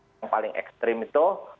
yang paling ekstrim itu